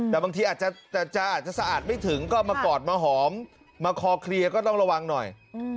แต่บางทีอาจจะสะอาดไม่ถึงก็มากอดมาหอมมาคอเคลียร์ก็ต้องระวังหน่อย